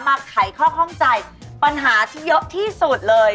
ไขข้อข้องใจปัญหาที่เยอะที่สุดเลย